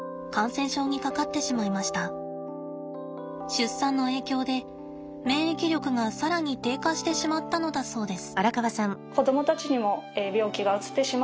出産の影響で免疫力がさらに低下してしまったのだそうです。